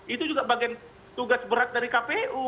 itu juga bagian tugas berat dari kpu